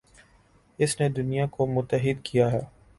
اس نے دنیا کو متحد کیا ہے